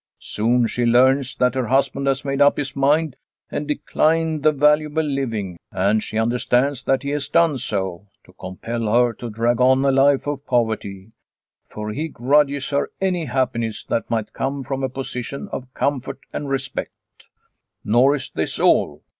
Soon she learns that her husband has made up his mind and declined the valuable living, and she understands that he has done so to compel her to drag on a life of poverty, for he grudges her any happiness that might come from a position of comfort and respect. Nor is this all.